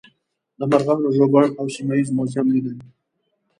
د مرغانو ژوبڼ او سیمه ییز موزیم لیدل.